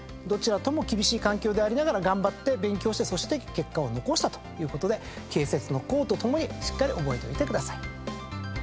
どちらとも厳しい環境でありながら頑張って勉強してそして結果を残したということで「蛍雪の功」とともにしっかり覚えといてください。